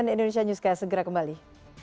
indonesia news ks segera kembali